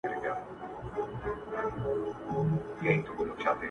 مور بې حاله ده او خبري نه سي کولای,